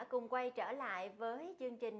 cùng quay trở lại với chương trình